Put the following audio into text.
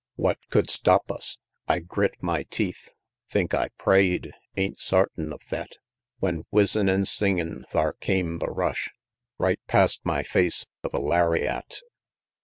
XLI. What could stop us? I grit my teeth; Think I pray'd ain't sartin of thet; When, whizzin' an' singin', thar came the rush Right past my face of a lariat!